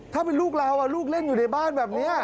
ถ้าเป็นลูกเราลูกเล่นอยู่ในบ้านแบบนี้